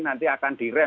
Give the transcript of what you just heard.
nanti akan direm